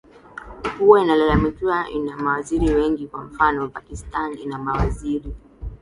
kuwa inalalamikiwa ina mawaziri wengi kwa mfano pakistan ina mawaziri